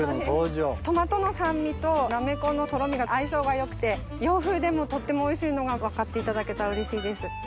トマトの酸味となめこのとろみが相性が良くて洋風でもとってもおいしいのが分かっていただけたらうれしいです。